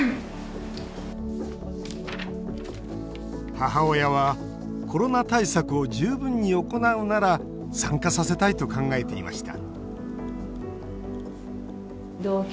母親はコロナ対策を十分に行うなら参加させたいと考えていました